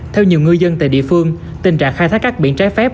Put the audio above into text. theo nhiều ngư dân tại địa phương tình trạng khai thác các biển trái phép